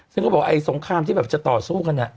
ซึ่งเขาบอกไอ้สงครามที่แบบจะต่อสู้กัน